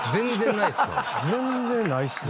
全然ないっすね。